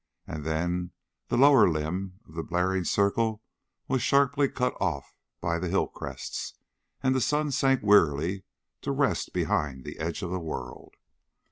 And then the lower limb of the blaring circle was sharply cut off by the hill crests and the sun sank wearily to rest behind the edge of the world.